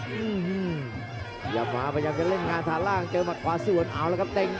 อื้อหือพยาบาลพยายามจะเล่นงานทางล่างเจอมัดขวาซิวอันเอาแล้วครับเต้ง